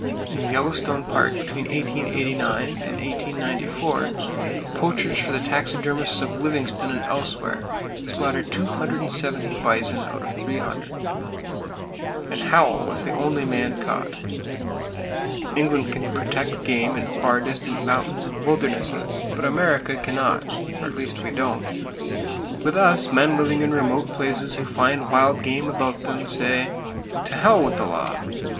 In the Yellowstone Park between 1889 and 1894, the poachers for the taxidermists of Livingston and elsewhere slaughtered 270 bison out of 300; and Howell was the only man caught. England can protect game in far distant mountains and wildernesses; but America can not,—or at least we don't! With us, men living in remote places who find wild game about them say "To h with the law!"